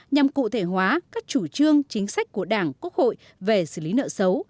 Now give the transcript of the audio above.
nhằm cụ thể hóa các chủ trương chính sách của đảng quốc hội về xử lý nợ xấu